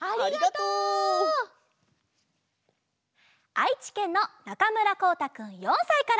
あいちけんのなかむらこうたくん４さいから。